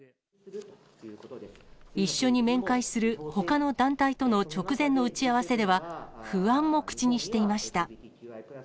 一緒に面会するほかの団体との直前の打ち合わせでは、不安も口にしていました。